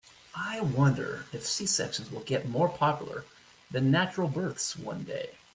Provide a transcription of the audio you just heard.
I wonder if C-sections will get more popular than natural births one day.